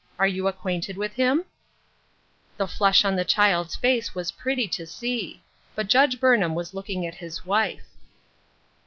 Are you ac quainted with him ?" The flush on the child's face was pretty to see ; but Judge Burnham was looking at his wife.